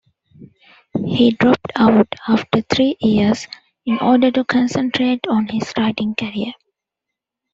He dropped out after three years in order to concentrate on his writing career.